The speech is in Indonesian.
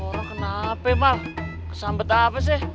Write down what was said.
orang kenapa mah kesambet apa sih